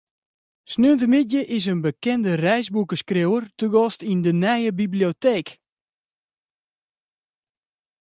Sneontemiddei is in bekende reisboekeskriuwer te gast yn de nije biblioteek.